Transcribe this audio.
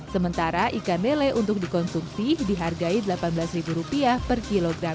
sementara ikan lele untuk dikonsumsi dihargai rp delapan belas rupiah per kilogram